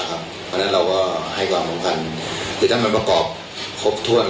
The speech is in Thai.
เพราะฉะนั้นเราก็ให้ความสำคัญคือถ้ามันประกอบครบถ้วน